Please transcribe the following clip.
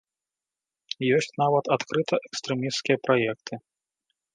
Ёсць нават адкрыта экстрэмісцкія праекты.